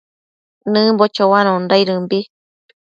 Nëmbo choanondaidëmbi